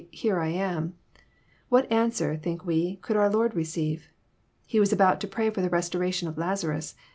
Here I am,' what answer, think we, could oar Lord receive? He was about to pray for the resurrection of Lazaras.